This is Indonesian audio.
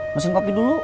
mesin kopi dulu